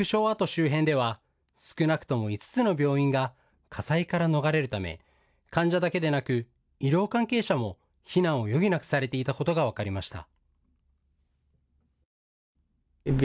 周辺では少なくとも５つの病院が火災から逃れるため患者だけでなく、医療関係者も避難を余儀なくされていたことが分かりました。